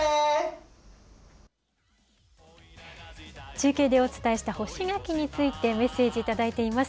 中継でお伝えした干し柿について、メッセージ頂いています。